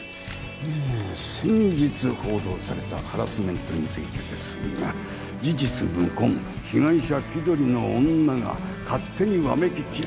えぇ先日報道されたハラスメントについてですが事実無根被害者気取りの女が勝手にわめき散ら。